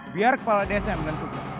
biar kepala desa menentukan